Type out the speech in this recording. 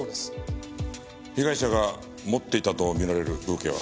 被害者が持っていたとみられるブーケは？